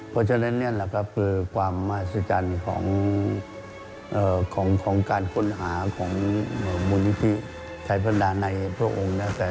เพราะฉะนั้นนี่แหละก็คือความมหัศจรรย์ของการค้นหาของมูลนิธิไทยบรรดาในพระองค์แล้วแต่